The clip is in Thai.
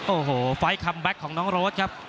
โอ้โหคนแบของน้องรถครับ